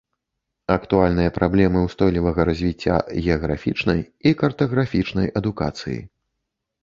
Актуальныя праблемы ўстойлівага развіцця геаграфічнай і картаграфічнай адукацыі.